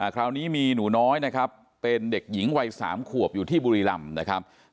คราวนี้มีหนูน้อยนะครับเป็นเด็กหญิงวัย๓ขวบอยู่ที่บุรีรำนะครับ